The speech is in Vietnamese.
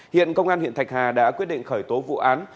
hiện công an huyện thạch hà đã quyết định khởi tố vụ án